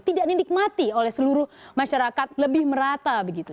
tidak dinikmati oleh seluruh masyarakat lebih merata begitu